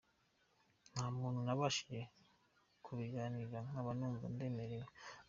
ntamuntu nabashije kubiganirira nkaba numva ndemerewe.